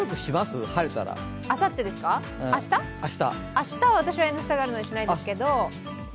明日は私は「Ｎスタ」があるのでしないですけれども。